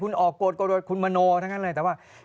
คุณออกโกรธโดยคุณมโนทั้งนั้นเลยแต่ว่า